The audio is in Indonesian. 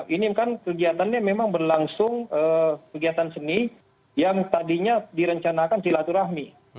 ini kan kegiatannya memang berlangsung kegiatan seni yang tadinya direncanakan silaturahmi